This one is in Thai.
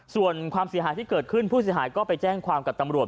ส่วนความเสียหายที่เกิดขึ้นผู้เสียหายก็ไปแจ้งความกับตำรวจ